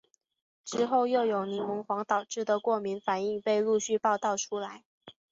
之后又有柠檬黄导致的过敏反应被陆续报道出来。